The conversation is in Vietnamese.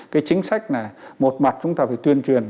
cái chính sách là một mặt chúng ta phải tuyên truyền